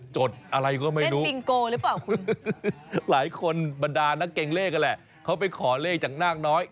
จดอะไรก็ไม่รู้หลายคนบันดาลนักเก่งเลขนั่นแหละเขาไปขอเลขจากนาคน้อย